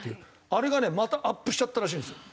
あれがねまたアップしちゃったらしいんですよ。